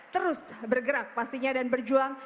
terus bergerak pastinya dan berjuang